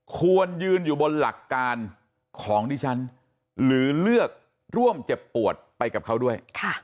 ควรยืนอยู่บนหลักการของดิฉันหรือเลือกร่วมเจ็บปวดไปกับเขาด้วย